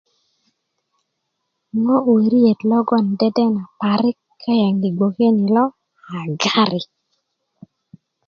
ŋo woriet logon dedena parik kaŋ bgwoke ni lo a gari